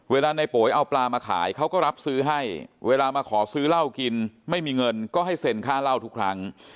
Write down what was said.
เวลาในโป๋ยเอาปลามาขายเขาก็รับซื้อให้เวลามาขอซื้อเหล้ากินไม่มีเงินก็ให้เซ็นค่าเหล้าทุกครั้ง